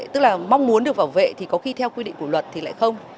tức là mong muốn được bảo vệ thì có khi theo quy định của luật thì lại không